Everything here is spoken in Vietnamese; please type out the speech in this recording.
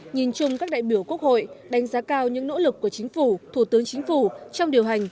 nhìn chung các đại biểu quốc hội đánh giá cao những nỗ lực của chính phủ thủ tướng chính phủ trong điều hành